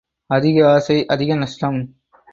அதிக ஆசை அதிக நஷ்டம்.